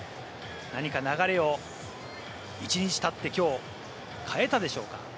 何か流れを、一日たって、きょう変えたでしょうか？